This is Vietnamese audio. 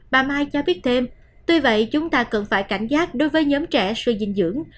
bà mai cho biết thêm tuy vậy chúng ta cần phải cảnh giác đối với nhóm trẻ suy dinh dưỡng